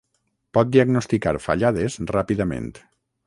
Pot diagnosticar fallades ràpidament.